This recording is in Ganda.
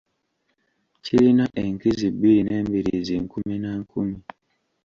Kirina enkizi bbiri n’embiriizi nkumi na nkumi.